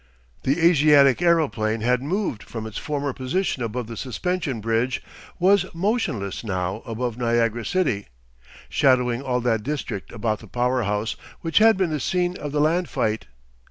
The Asiatic aeroplane had moved from its former position above the Suspension Bridge, was motionless now above Niagara city, shadowing all that district about the power house which had been the scene of the land fight.